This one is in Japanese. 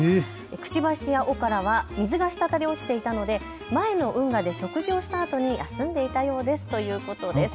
くちばしや尾からは水が滴り落ちていたので前の運河で食事をしたあとに休んでいたようですということです。